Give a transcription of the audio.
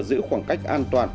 giữ khoảng cách an toàn